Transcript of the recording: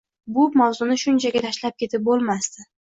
Bu mavzuni shunchaki tashlab ketib boʻlmasdi.